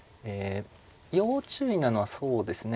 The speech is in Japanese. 要注意なのはそうですね